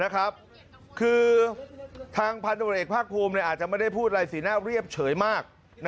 คือทางพันธุรกิจเอกภาคภูมิอาจจะไม่ได้พูดอะไรสีหน้าเรียบเฉยมาก